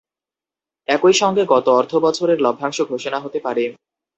একই সঙ্গে গত অর্থবছরের লভ্যাংশ ঘোষণা হতে পারে।